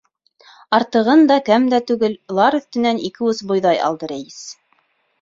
Артығын да, кәм дә түгел, лар өҫтөнән ике ус бойҙай алды рәйес.